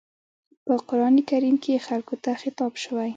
په قرآن کريم کې خلکو ته خطاب شوی.